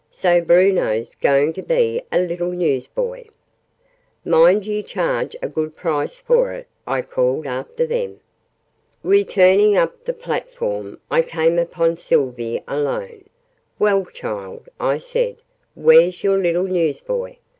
So Bruno's going to be a little news boy!" "Mind you charge a good price for it!" I called after them. Returning up the platform, I came upon Sylvie alone. "Well, child," I said, "where's your little news boy?